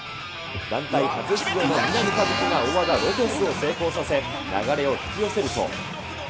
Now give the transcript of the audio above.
団体初出場の南一輝が大技、ロペスを成功させ、流れを引き寄せると。